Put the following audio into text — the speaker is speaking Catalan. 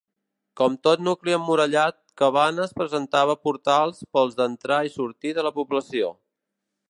Com tot nucli emmurallat, Cabanes presentava portals pels d'entrar i sortir de la població.